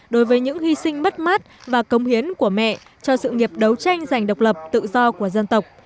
đối với những hy sinh mất mát và công hiến của mẹ cho sự nghiệp đấu tranh giành độc lập tự do của dân tộc